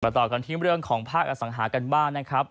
ต่อกันที่เรื่องของภาคอสังหากันบ้างนะครับ